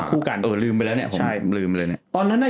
อ้อหะลืมไปแล้วเนี่ยหรูลืมไว้เลย